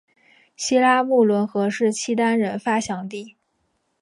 西拉木伦河是契丹人发祥地。